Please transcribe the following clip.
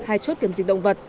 hai chốt kiểm dịch động vật